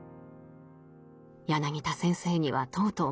「柳田先生にはとうとう負けたね。